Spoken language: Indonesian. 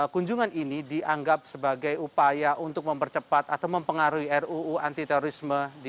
kunjungan ini dianggap sebagai upaya untuk mempercepat atau mempengaruhi ruu anti terorisme